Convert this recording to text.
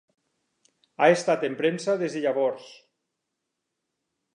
Ha estat en premsa des de llavors.